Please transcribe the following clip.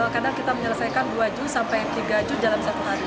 karena kita menyelesaikan dua juz sampai tiga juz dalam satu hari